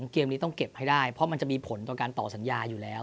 เกมนี้ต้องเก็บให้ได้เพราะมันจะมีผลต่อการต่อสัญญาอยู่แล้ว